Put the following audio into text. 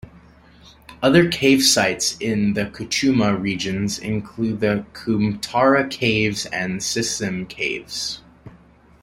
Other cave sites in the Kucha region include the Kumtura Caves and Simsim Caves.